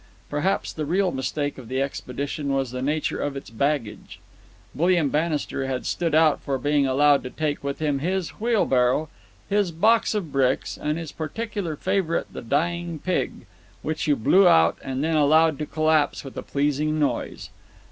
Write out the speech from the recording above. Perhaps the real mistake of the expedition was the nature of its baggage. William Bannister had stood out for being allowed to take with him his wheelbarrow, his box of bricks, and his particular favourite, the dying pig, which you blew out and then allowed to collapse with a pleasing noise.